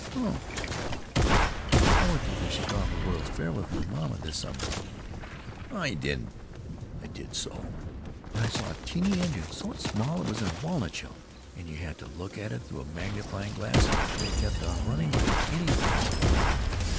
"Oh." "I went to the Chicago World's Fair with my mamma this summer." "Aw, you didn't!" "I did so. And I saw a teeny engine so small it was in a walnut shell and you had to look at it through a magnifying glass and it kept on running like anything."